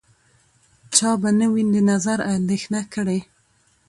چا به نه وي د نظر اندېښنه کړې